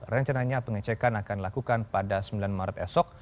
rencananya pengecekan akan dilakukan pada sembilan maret esok